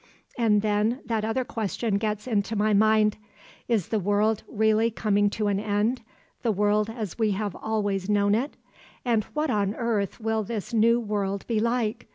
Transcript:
And then that other question gets into my mind—is the world really coming to an end, the world as we have always known it; and what on earth will this new world be like?